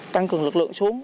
tăng cường lực lượng xuống